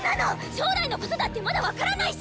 将来のことだってまだ分からないし！